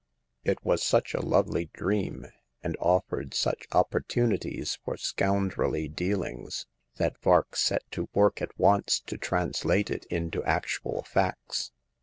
" It was such a lovely dream, and offered such opportunities for scoundrelly dealings, that Vark set to work at once to translate it into actual facts.